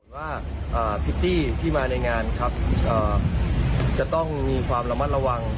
ว่าพิตตี้ที่มาในงานครับจะต้องมีความระมัดระวัง